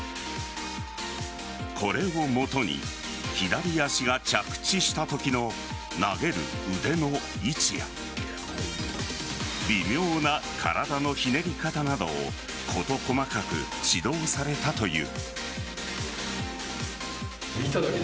これをもとに左足が着地したときの投げる腕の位置や微妙な体のひねり方などを事細かく指導されたという。